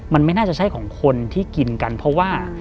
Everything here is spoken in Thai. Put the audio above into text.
มันไม่น่าจะใช่ของคนที่กินกันเพราะว่า